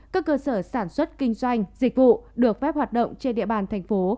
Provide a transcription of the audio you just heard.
các cơ sở sản xuất kinh doanh dịch vụ được phép hoạt động trên địa bàn thành phố